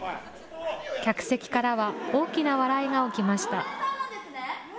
客席からは、大きな笑いが起きました。